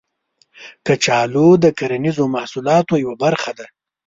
کچالو د کرنیزو محصولاتو یوه برخه ده